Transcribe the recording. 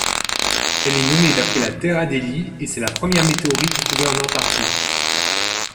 Elle est nommée d'après La Terre-Adélie et c'est la première météorite trouvée en Antarctique.